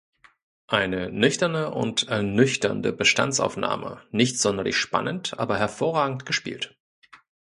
Eine nüchterne und ernüchternde Bestandsaufnahme, nicht sonderlich spannend, aber hervorragend gespielt.